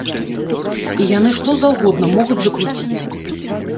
І яны што заўгодна могуць закруціць.